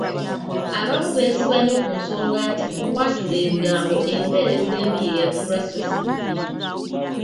Abamu beesiba nnyo ku nsonga nti mu kwatula ebigambo, empeerezi emu y’eyatulwa so ssi bbiri.